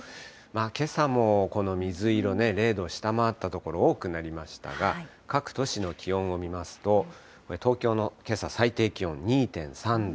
けさも、この水色ね、０度を下回った所、多くなりましたが、各都市の気温を見ますと、東京のけさ、最低気温２．３度。